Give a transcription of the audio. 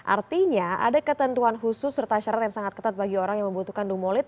artinya ada ketentuan khusus serta syarat yang sangat ketat bagi orang yang membutuhkan dumolit